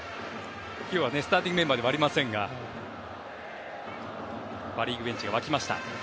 今日はスターティングメンバーではありませんがパ・リーグベンチが沸きました。